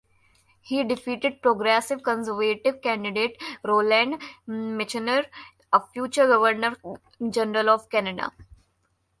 He defeated Progressive Conservative candidate Roland Michener, a future Governor General of Canada.